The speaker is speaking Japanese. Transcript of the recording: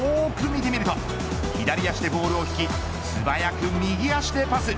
見てみると左足でボールを引き素早く右足でパス。